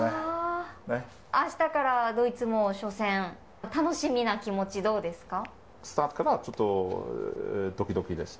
あしたからドイツの初戦楽しみな気持ちどうですか。